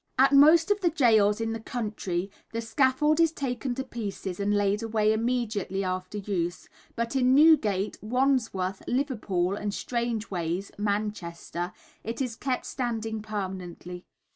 At most of the gaols in the country the scaffold is taken to pieces and laid away immediately after use, but in Newgate, Wandsworth, Liverpool, and Strangeways (Manchester), it is kept standing permanently.